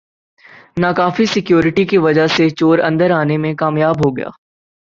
ناکافی سیکورٹی کی وجہ سےچور اندر آنے میں کامیاب ہوگئے